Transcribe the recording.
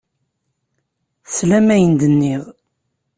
Teslam ayen ay d-nniɣ.